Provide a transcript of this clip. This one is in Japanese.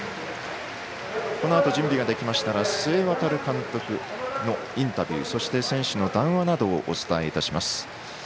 このあと準備ができましたら須江航監督のインタビューそして選手の談話などをお伝えいたします。